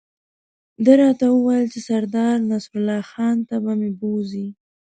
ده راته وویل چې سردار نصرالله خان ته به مې بوزي.